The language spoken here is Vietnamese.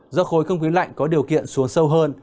do khối không khí lạnh có điều kiện xuống sâu hơn